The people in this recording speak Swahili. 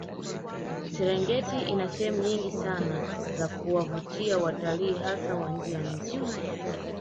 Serengeti ina sehemu nyingi sana za kuwavutia watalii hasa wa nje ya nchi